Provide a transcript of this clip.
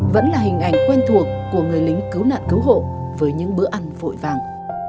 vẫn là hình ảnh quen thuộc của người lính cứu nạn cứu hộ với những bữa ăn vội vàng